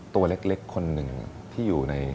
ตัวเล็กคนหนึ่งที่อยู่ใน